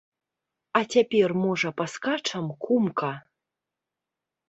А цяпер, можа, паскачам, кумка?